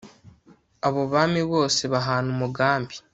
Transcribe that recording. abo bami bose bahana umugambi